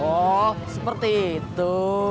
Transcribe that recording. oh seperti itu